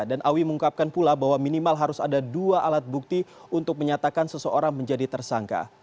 dan awis mengungkapkan pula bahwa minimal harus ada dua alat bukti untuk menyatakan seseorang menjadi tersangka